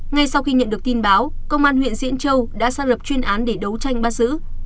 ngay sau khi nhận được tin báo công an huyện diễn châu đã xác lập chuyên án để đấu tranh bắt giữ